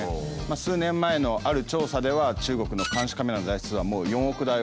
数年前のある調査では中国の監視カメラの台数はもう４億台を超えたと。